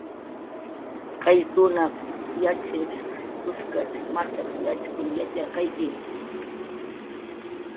"Qayllkunaq yatxchirp""shq kuskach machaq yatxkun yatxirqayki"